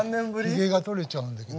ひげが取れちゃうんだけど。